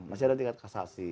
masih ada tiket kasasi